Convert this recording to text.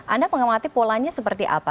anda mengamati polanya seperti apa